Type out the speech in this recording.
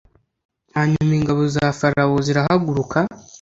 Hanyuma ingabo za Farawo zirahaguruka